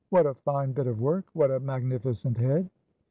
"What a fine bit of work! What a magnificent head!"